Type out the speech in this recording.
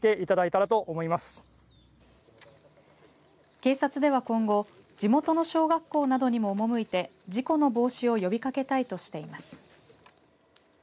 警察では今後地元の小学校などにも赴いて事故の防止を呼びかけたいとしています。